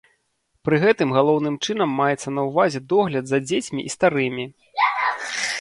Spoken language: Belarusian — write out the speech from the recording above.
Пры гэтым галоўным чынам маецца на ўвазе догляд за дзецьмі і старымі.